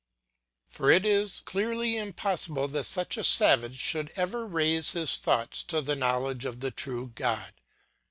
] For it is clearly impossible that such a savage could ever raise his thoughts to the knowledge of the true God.